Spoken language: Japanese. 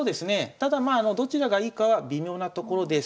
ただまあどちらがいいかは微妙なところです。